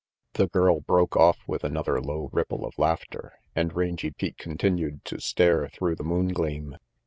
The girl broke off with another low ripple of laughter, and Rangy Pete continued to stare through the moongleam.